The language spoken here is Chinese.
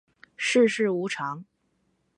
世事无常